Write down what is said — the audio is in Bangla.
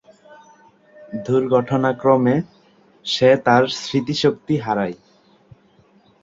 দুর্ঘটনাক্রমে, সে তার স্মৃতিশক্তি হারায়।